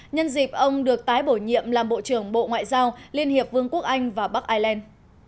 nhân dịp ông được tái bổ nhiệm làm bộ trưởng bộ ngoại giao liên hiệp vương quốc anh và bắc ireland